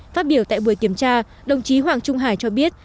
phát biểu tại buổi kiểm tra đồng chí hoàng trung hải cho biết